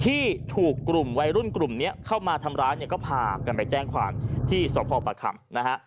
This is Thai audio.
ที่ถูกกลุ่มวัยรุ่นกลุ่มนี้เข้ามาทำร้ายเนี่ยก็พากันไปแจ้งความที่สพประคำนะฮะ